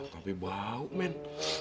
tapi bau men